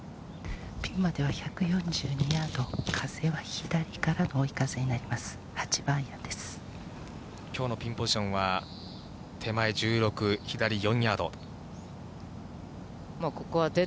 ピンまでは１４２ヤード、風は左からの追い風になります、きょうのピンポジションは、手前１６、左４ヤード。